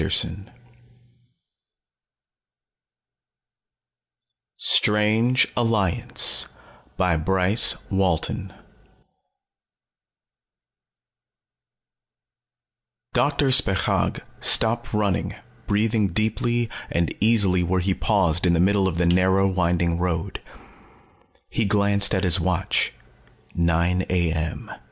_ STRANGE ALLIANCE BY BRYCE WALTON Doctor Spechaug stopped running, breathing deeply and easily where he paused in the middle of the narrow winding road. He glanced at his watch. Nine a.m.